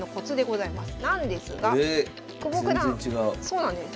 そうなんです。